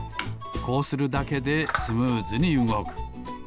こうするだけでスムーズにうごく。